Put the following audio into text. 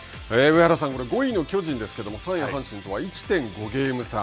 上原さん、これ５位巨人ですけれども、３位阪神とは１．５ゲーム差。